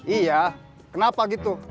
iya kenapa gitu